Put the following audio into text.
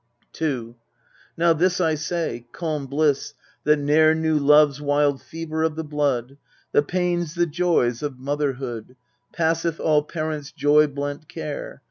II Now this I say calm bliss, that ne'er Knew love's wild fever of the blood, The pains, the joys, of motherhood, Passeth all parents' joy blent care.